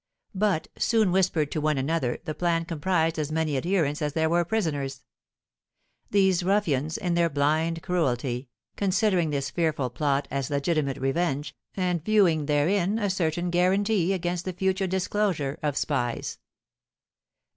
But, soon whispered to one another, the plan comprised as many adherents as there were prisoners; these ruffians, in their blind cruelty, considering this fearful plot as legitimate revenge, and viewing therein a certain guarantee against the future disclosure of spies.